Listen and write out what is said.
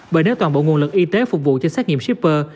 bởi nếu toàn bộ nguồn lực y tế phục vụ cho xét nghiệm shipper